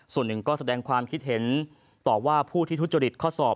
ส่วนหนึ่งก็แสดงความคิดเห็นต่อว่าผู้ที่ทุจริตข้อสอบ